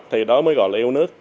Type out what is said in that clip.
thì đó mới gọi là yêu nước